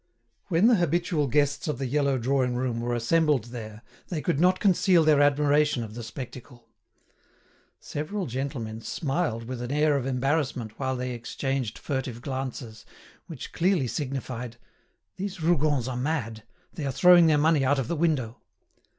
When the habitual guests of the yellow drawing room were assembled there they could not conceal their admiration of the spectacle. Several gentlemen smiled with an air of embarrassment while they exchanged furtive glances, which clearly signified, "These Rougons are mad, they are throwing their money out of the window."